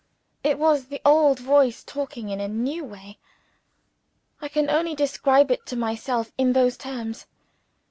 It was the old voice talking in a new way: I can only describe it to myself in those terms.